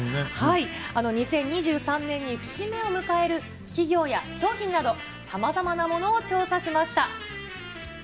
２０２３年に節目を迎える企業や商品など、さまざまなものを調査しました。